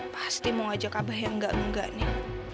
pasti mau ngajak abah yang enggak enggak nih